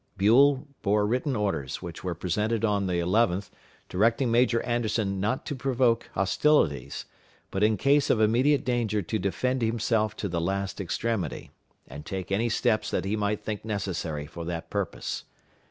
Buell bore written orders, which were presented on the 11th, directing Major Anderson not to provoke hostilities, but in case of immediate danger to defend himself to the last extremity, and take any steps that he might think necessary for that purpose.